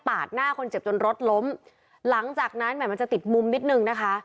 หน้าคนเจ็บจนรถล้มหลังจากนั้นแหมมันจะติดมุมนิดนึงนะคะ